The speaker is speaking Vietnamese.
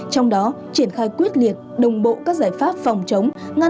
trong đó triển khai quyết liệt đồng bộ các giải pháp phòng chống